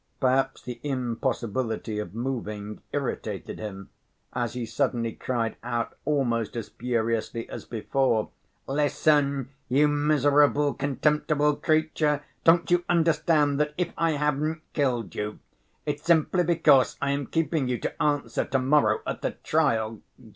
Perhaps the impossibility of moving irritated him, as he suddenly cried out almost as furiously as before. "Listen, you miserable, contemptible creature! Don't you understand that if I haven't killed you, it's simply because I am keeping you to answer to‐morrow at the trial.